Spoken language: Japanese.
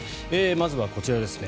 まずはこちらですね。